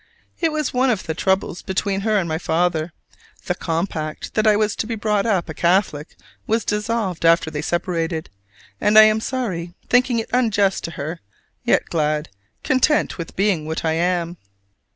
It was one of the troubles between her and my father: the compact that I was to be brought up a Catholic was dissolved after they separated; and I am sorry, thinking it unjust to her; yet glad, content with being what I am.